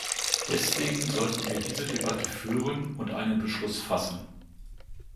Deswegen sollten wir diese Debatte führen und einen Beschluss fassen.